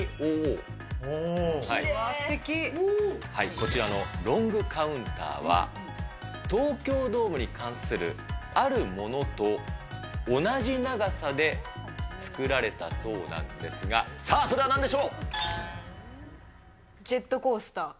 こちらのロングカウンターは、東京ドームに関するあるものと同じ長さで作られたそうなんですが、ジェットコースター。